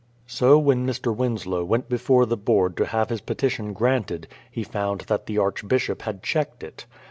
So when Mr. Winslow went before the Board to have his petition granted, he found that the Archbishop had checked it.